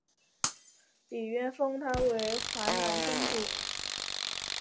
李渊封她为淮南公主。